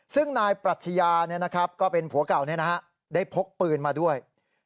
ซึ่งนายปรัชญาก็เป็นผัวเก่าได้พกปืนมาด้วย